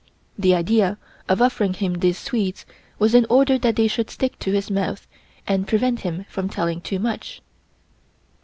The idea of offering him these sweets was in order that they should stick to his mouth and prevent him from telling too much.